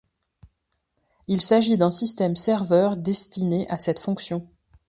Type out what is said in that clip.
Il s'agit d'un système serveur destiné à cette fonction.